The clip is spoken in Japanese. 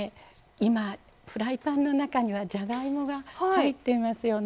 今フライパンの中にはじゃがいもが入っていますよね。